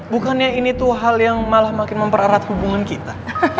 bukannya ini tuh hal yang malah makin mempererat hubungan kita